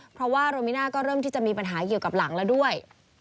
เพราะว่าโรมิน่าก็เริ่มที่จะมีปัญหาเกี่ยวกับหลังแล้วด้วย